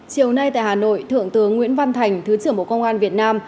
chiều nay tại hà nội thượng tướng nguyễn văn thành thứ trưởng bộ công an việt nam